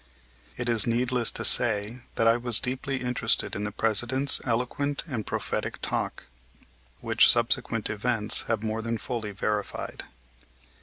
It is needless to say that I was deeply interested in the President's eloquent and prophetic talk which subsequent events have more than fully verified.